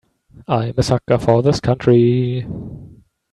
I'm a sucker for this country.